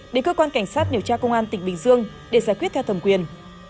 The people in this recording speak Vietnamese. để cơ quan cảnh sát điều tra công an tp hcm để giải quyết theo thẩm quyền